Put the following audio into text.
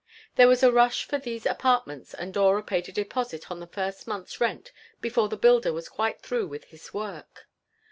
There was a rush for these apartments and Dora paid a deposit on the first month's rent before the builder was quite through with his work.